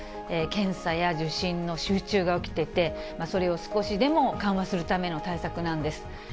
検査や受診の集中が起きてて、それを少しでも緩和するための対策なんです。